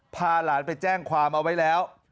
พาหลานไปแจ้งความเอาไว้แล้ว